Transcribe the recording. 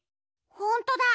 ほんとだ！